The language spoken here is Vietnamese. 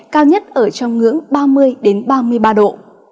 cao nhất ở trong ngưỡng ba mươi ba mươi ba độ